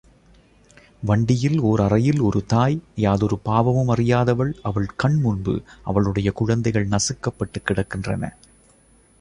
வண்டியில் ஓர் அறையில் ஒரு தாய் யாதொரு பாவமும் அறியாதவள் அவள் கண்முன்பு அவளுடைய குழந்தைகள் நசுக்கபட்டுக் கிடக்கின்றன.